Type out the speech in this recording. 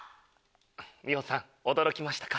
みほさん驚きましたか？